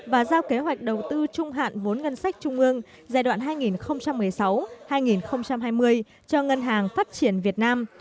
và giao kế hoạch đầu tư trung hạn vốn ngân sách trung ương giai đoạn hai nghìn một mươi sáu hai nghìn hai mươi cho ngân hàng phát triển việt nam